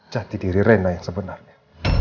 jati diri rena yang sebenarnya